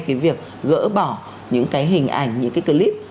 cái việc gỡ bỏ những cái hình ảnh những cái clip